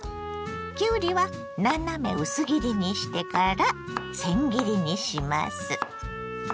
きゅうりは斜め薄切りにしてからせん切りにします。